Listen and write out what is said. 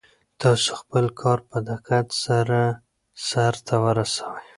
تاسو خپل کار په دقت سره سرته ورسوئ.